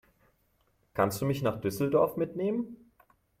Kannst du mich nach Düsseldorf mitnehmen?